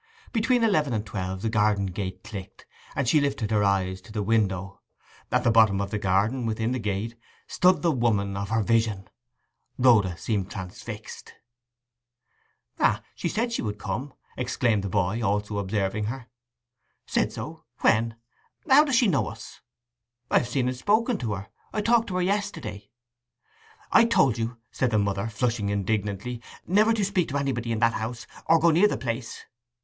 Between eleven and twelve the garden gate clicked, and she lifted her eyes to the window. At the bottom of the garden, within the gate, stood the woman of her vision. Rhoda seemed transfixed. 'Ah, she said she would come!' exclaimed the boy, also observing her. 'Said so—when? How does she know us?' 'I have seen and spoken to her. I talked to her yesterday.' 'I told you,' said the mother, flushing indignantly, 'never to speak to anybody in that house, or go near the place.